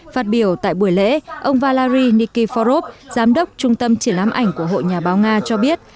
phát biểu tại buổi lễ ông valari nikkifarov giám đốc trung tâm triển lãm ảnh của hội nhà báo nga cho biết